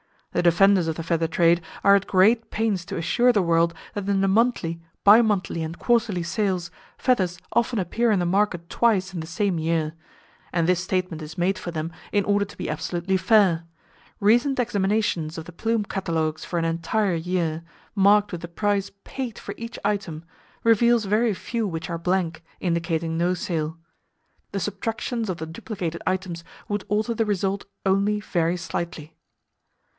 The defenders of the feather trade are at great pains to assure the world that in the monthly, bi monthly and quarterly sales, feathers often appear in the market twice in the same year; and this statement is made for them in order to be absolutely fair. Recent examinations of the plume catalogues for an entire year, marked with the price paid for each item, reveals very few which are blank, indicating no sale! The subtractions of the duplicated items would alter the result only very slightly.